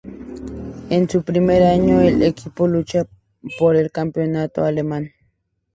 En su primer año el equipo lucha por el campeonato alemán.